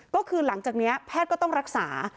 ก็คือหลังจากนี้แพทย์ก็ต้องรักษา